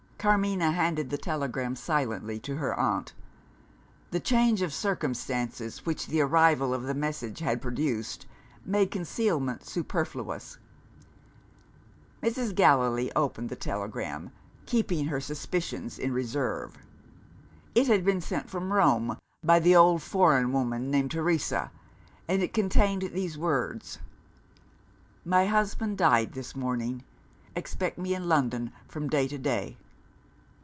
Carmina handed the telegram silently to her aunt. The change of circumstances which the arrival of the message had produced, made concealment superfluous. Mrs. Gallilee opened the telegram, keeping her suspicions in reserve. It had been sent from Rome by the old foreign woman, named "Teresa," and it contained these words: "My husband died this morning. Expect me in London from day to day."